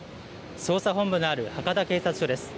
捜査本部のある博多警察署です。